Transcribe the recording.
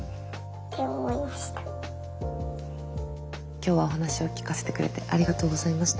今日はお話を聞かせてくれてありがとうございました。